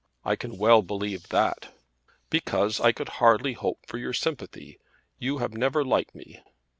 "I can well believe that." "Because I could hardly hope for your sympathy. You have never liked me."